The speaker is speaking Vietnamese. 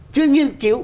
chuyên nghiên cứu